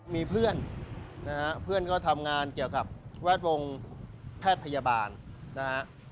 มีเพื่อนนะฮะเพื่อนก็ทำงานเกี่ยวกับแวดวงแพทย์พยาบาลนะฮะ